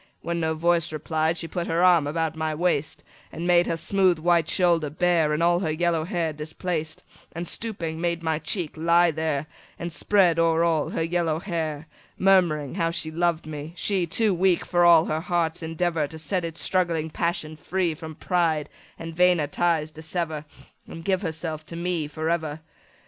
When no voice replied, 15 She put my arm about her waist, And made her smooth white shoulder bare, And all her yellow hair displaced, And, stooping, made my cheek lie there, And spread, o'er all, her yellow hair, 20 Murmuring how she loved me—she Too weak, for all her heart's endeavour, To set its struggling passion free From pride, and vainer ties dissever, And give herself to me for ever.